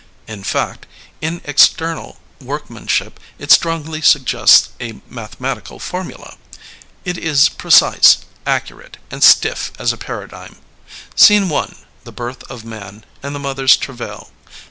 In fact, in external workmanship it strongly suggests a mathematical formula. It is precise, accurate and stiff as a paradigm. Scene I. The Birth of Man and the Mother's Travail.